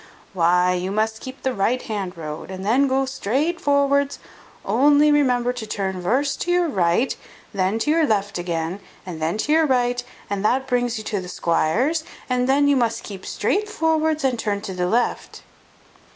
"Why, you must keep the right hand road, and then gu strait vorwards; only remember to turn vurst to your right, and then to your left again, and then to your right, and that brings you to the squire's; and then you must keep strait vorwards, and turn to the left."